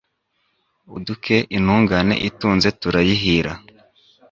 Uduke intungane itunze turayihira